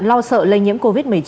lo sợ lây nhiễm covid một mươi chín